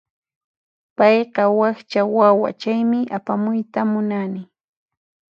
Payqa wakcha wawa, chaymi apamuyta munani.